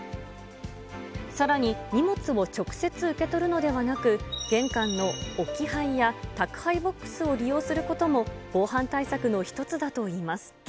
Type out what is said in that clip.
さらに、荷物を直接受け取るのではなく、玄関の置き配や、宅配ボックスを利用することも、防犯対策の一つだといいます。